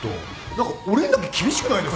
何か俺にだけ厳しくないですか？